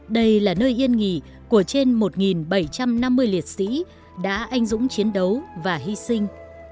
đây là nơi yên nghỉ của trên một bảy trăm năm mươi liệt sĩ đã anh dũng chiến đấu và hy sinh